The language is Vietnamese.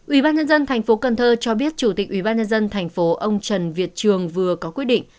ủy ban nhân dân tp cần thơ cho biết chủ tịch ủy ban nhân dân tp ông trần việt trường vừa có quyết định